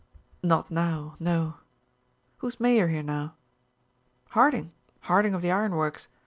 "Not now no. Who's mayor here now?" "Harding Harding of the iron works.